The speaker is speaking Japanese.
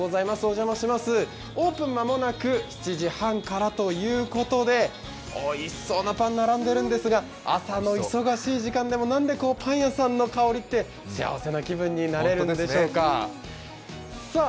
オープン間もなく７時半からということでおいしそうなパンが並んでいるんですが、朝の忙しい時間でもなんでパン屋さんの香りって幸せな気分になれるんでしょうか。